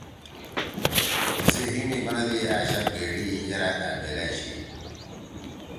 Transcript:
تیسی ہی می بنَدی أ شک گھیڑی یرأ أ بیلأ چھی۔